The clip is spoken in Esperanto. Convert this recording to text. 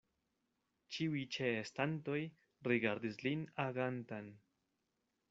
Ĉiuj ĉeestantoj rigardis lin agantan.